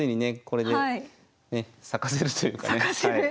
これでね咲かせるというかね。